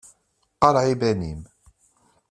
Qareɛ iman-im.